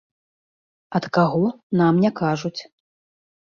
Ад каго, нам не кажуць.